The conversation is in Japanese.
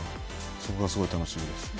そこがすごい楽しみです。